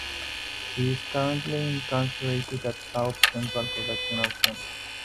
He is currently incarcerated at South Central Correctional Center.